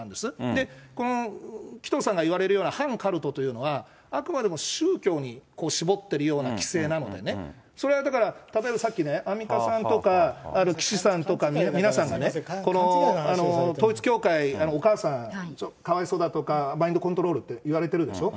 で、この紀藤さんが言われるような反カルトというのは、あくまでも宗教に絞っているような規制なので、それはだから、例えばさっきね、アンミカさんとか岸さんとか、皆さんがね、統一教会、お母さん、かわいそうだとか、マインドコントロールって言われているでしょ。